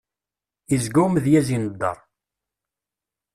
Yezga umedyaz ineddeṛ.